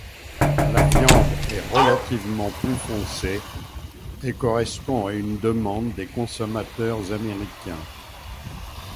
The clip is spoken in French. La viande est relativement plus foncée et correspond à une demande des consommateurs américains.